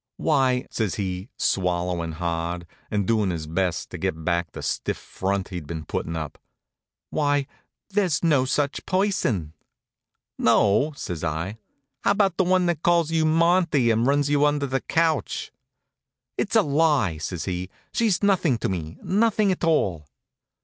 "Why," says he, swallowin' hard, and doing his best to get back the stiff front he'd been puttin' up "why, there's no such person." "No?" says I. "How about the one that calls you Monty and runs you under the couch?" "It's a lie!" says he. "She's nothing to me, nothing at all."